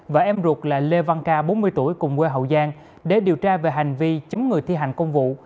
và em ruột là lê văn ca bốn mươi tuổi cùng quê hậu giang để điều tra về hành vi chống người thi hành công vụ